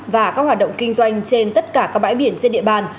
và các hoạt động kinh doanh trên tất cả các bãi biển trên địa bàn